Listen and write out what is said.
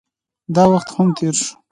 داوخت هم تېريږي